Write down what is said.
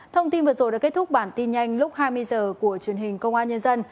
thông tin vừa rồi đã kết thúc bản tin nhanh lúc hai mươi h của truyền hình công an nhân dân